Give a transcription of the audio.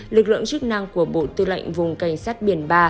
lực lượng chức năng của bộ tư lệnh vùng cảnh sát biển ba